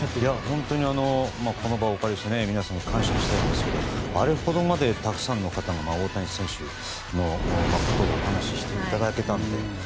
本当にこの場をお借りして皆さんに感謝したいんですけどもあれほどまでたくさんの方が大谷選手のことをお話していただけたので。